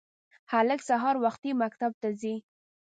هلک سهار وختي مکتب ته ځي